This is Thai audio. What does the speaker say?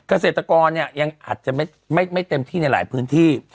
เกษตรกรเนี่ยยังอาจจะไม่เต็มที่ในหลายพื้นที่